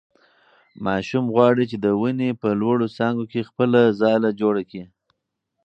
ماشوم غواړي چې د ونې په لوړو څانګو کې خپله ځاله جوړه کړي.